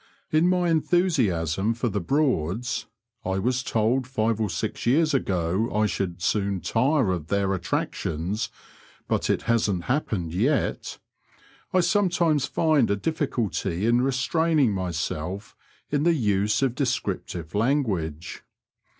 In my enthusiasm for the Broads (I was told five or six years ago I should soon tire of their attractions, but it hasn't happened yet) I sometimes find a difficulty in restraining myself in the use of descriptive language.